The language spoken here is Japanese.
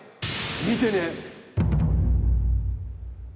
見てね！